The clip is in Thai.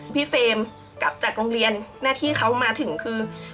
เฟรมกลับจากโรงเรียนหน้าที่เขามาถึงคือ